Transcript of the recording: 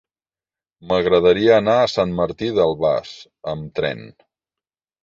M'agradaria anar a Sant Martí d'Albars amb tren.